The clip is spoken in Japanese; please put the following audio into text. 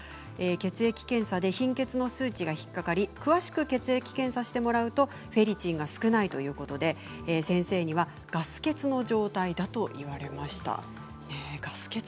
血液検査で貧血の数値が引っ掛かり詳しく血液検査をしてもらうとフェリチンが少ないということで先生にはガス欠の状態だと言われました。